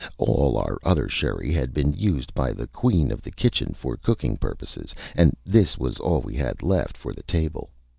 All our other sherry had been used by the queen of the kitchen for cooking purposes, and this was all we had left for the table.